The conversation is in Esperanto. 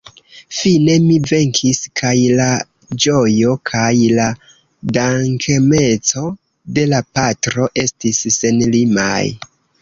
Fine mi venkis, kaj la ĝojo kaj la dankemeco de la patro estis senlimaj.